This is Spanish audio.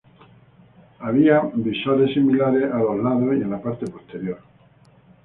Habían visores similares a los lados y en la parte posterior.